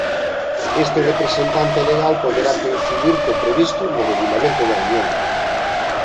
Este representante legal poderá coincidir co previsto no Regulamento da Unión